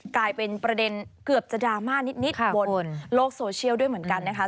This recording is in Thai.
กลายเป็นประเด็นเกือบจะดราม่านิดบนโลกโซเชียลด้วยเหมือนกันนะคะ